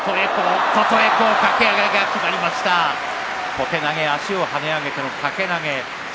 小手投げ足を跳ね上げての掛け投げ。